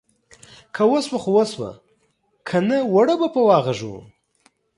که وسوه خو وسوه ، که نه اوړه به په واغږو.